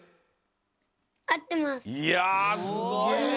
いやすごいね。